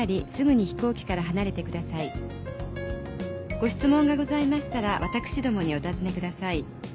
「ご質問がございましたら私どもにお尋ねください」